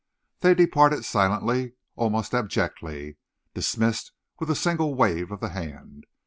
They departed silently, almost abjectly, dismissed with a single wave of the hand.